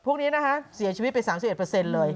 พวกนี้นะฮะเสียชีวิตไป๓๑เลย